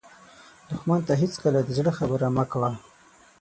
دښمن ته هېڅکله د زړه خبره مه کوه